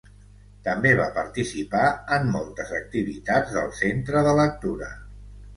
També va participar en moltes activitats del Centre de Lectura.